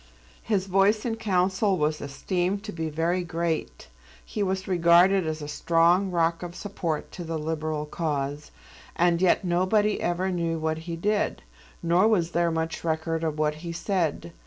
His voice in council was esteemed to be very great. He was regarded as a strong rock of support to the liberal cause, and yet nobody ever knew what he did; nor was there much record of what he said.